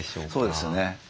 そうですよね。